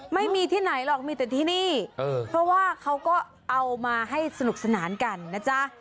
ไม่มีที่ไหนหรอกมีแต่ที่นี่เพราะว่าเขาก็เอามาให้สนุกสนานกันนะจ๊ะ